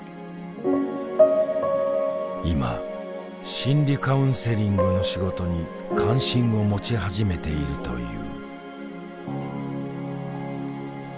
今心理カウンセリングの仕事に関心を持ち始めているという。